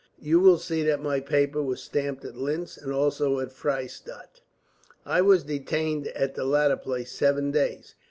You will see that my paper was stamped at Linz, and also at Freystadt. "I was detained at the latter place seven days.